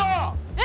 え！